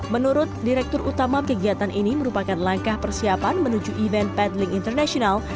menurut direktur utama kegiatan ini merupakan langkah persiapan menuju event pedling international